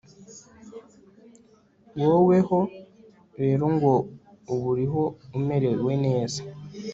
woweho rero ngo ubu uriho umerewe neza